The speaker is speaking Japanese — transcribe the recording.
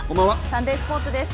サンデースポーツです。